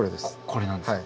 これなんですか？